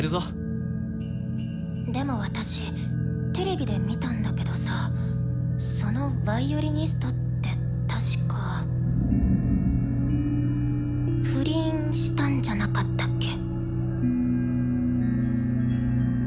でも私テレビで見たんだけどさそのヴァイオリニストって確か不倫したんじゃなかったっけ？